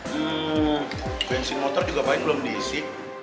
hmm bensin motor juga paling belum diisi